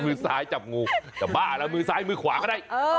มือซ้ายจับงูจะบ้าแล้วมือซ้ายมือขวาก็ได้